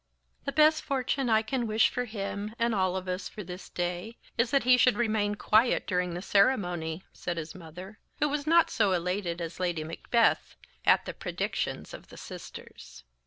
"The best fortune I can wish for him, and all of us, for this day is, that he should remain quiet during the ceremony," said his mother, who was not so elated as Lady Macbeth at the predictions of the sisters.